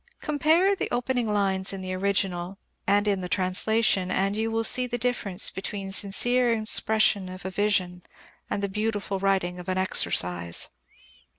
Compare the opening lines in the original and in the translation, and you will see the difference between the sincere expression of a vision and the beautiful writing of an exercise.